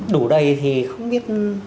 đủ đầy thì không biết